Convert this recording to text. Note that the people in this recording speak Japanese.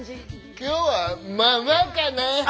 今日はまあまあかな。